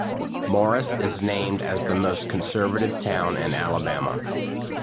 Morris is named as the most conservative town in Alabama.